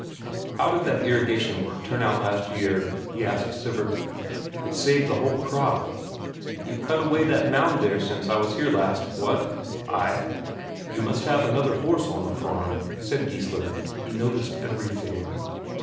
"How did that irrigation work turn out last year?" he asked Sivert. "It saved the whole crop." "You've cut away that mound there since I was here last, what?" "Ay." "You must have another horse on the farm," said Geissler. He noticed everything.